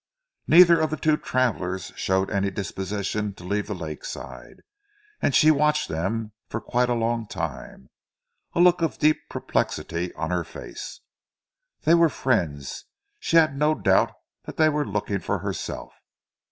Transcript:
Neither of the two travellers showed any disposition to leave the lakeside, and she watched them for quite a long time, a look of deep perplexity on her face. They were friends! She had no doubt that they were looking for herself.